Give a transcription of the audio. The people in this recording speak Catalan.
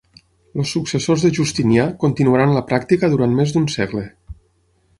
Els successors de Justinià continuaran la pràctica durant més d'un segle.